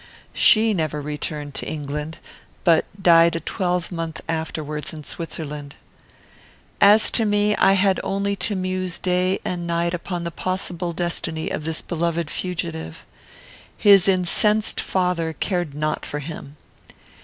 She never returned to England, but died a twelvemonth afterwards in Switzerland. "As to me, I had only to muse day and night upon the possible destiny of this beloved fugitive. His incensed father cared not for him.